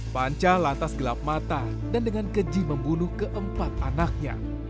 panca lantas gelap mata dan dengan keji membunuh keempat anaknya